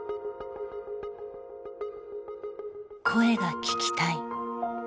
「声が聞きたい」